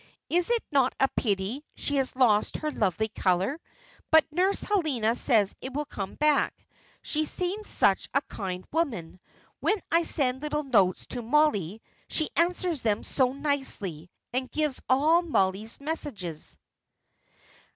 Is it not a pity she has lost her lovely colour? But Nurse Helena says it will come back. She seems such a kind woman. When I send little notes to Mollie, she answers them so nicely, and gives all Mollie's messages."